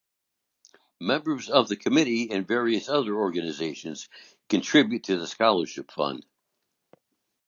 Members of the Committee and various other organizations contribute to the scholarship fund.